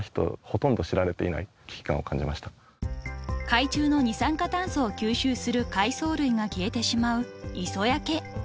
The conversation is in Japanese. ［海中の二酸化炭素を吸収する海藻類が消えてしまう磯焼け］